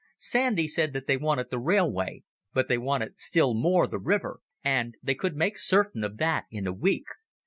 Sandy said that they wanted the railway, but they wanted still more the river, and they could make certain of that in a week.